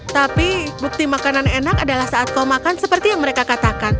tapi bukti makanan enak adalah saat kau makan seperti yang mereka katakan